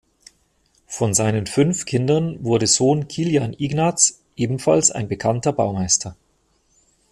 Von seinen fünf Kindern wurde Sohn Kilian Ignaz ebenfalls ein bekannter Baumeister.